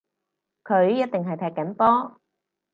佢一定係踢緊波